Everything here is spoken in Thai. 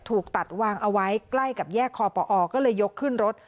ถูกตัดวางเอาไว้ใกล้กับแยกคอปอก็เลยยกขึ้นรถ